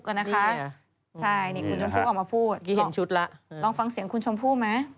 ก่อนนะคะใช่นี่คุณชมพู่ออกมาพูดนี่เห็นชุดแล้วลองฟังเสียงคุณชมพู่ไหม